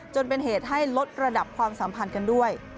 จนเป็นเหตุให้ลดระดับความสัมพันธ์กันด้วย